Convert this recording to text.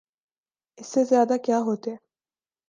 اس سے زیادہ کیا ہوتے؟